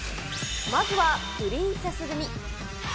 まずはプリンセス組。